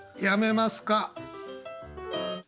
やめます。